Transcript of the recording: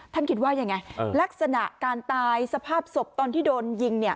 คิดว่ายังไงลักษณะการตายสภาพศพตอนที่โดนยิงเนี่ย